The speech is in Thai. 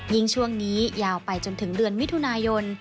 ช่วงนี้ยาวไปจนถึงเดือนมิถุนายน